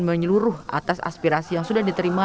menyeluruh atas aspirasi yang sudah diterima